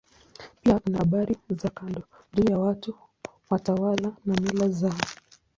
Pia kuna habari za kando juu ya watu, watawala na mila zao.